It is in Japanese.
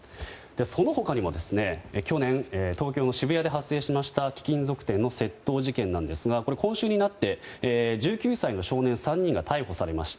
その他にも去年、東京・渋谷で発生しました貴金属店の窃盗事件なんですが今週になって１９歳の少年３人が逮捕されました。